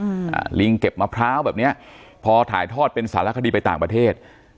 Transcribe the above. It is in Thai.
อ่าลิงเก็บมะพร้าวแบบเนี้ยพอถ่ายทอดเป็นสารคดีไปต่างประเทศ